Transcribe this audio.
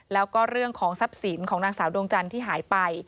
แล้วก็เรื่องของทรัพย์สินของนางสาวดวงจันทร์ที่หายไป